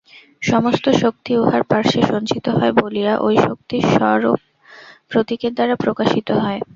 সমস্ত শক্তি উহার পার্শ্বে সঞ্চিত হয় বলিয়া ঐ শক্তি সর্পরূপ প্রতীকের দ্বারা প্রকাশিত হয়।